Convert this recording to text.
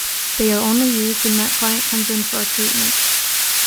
They are only used when that client comes in for a treatment.